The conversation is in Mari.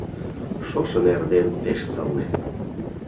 Шошым эрден пеш сылне